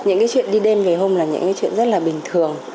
những cái chuyện đi đêm về hôm là những cái chuyện rất là bình thường